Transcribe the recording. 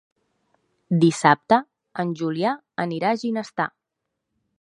Dissabte en Julià anirà a Ginestar.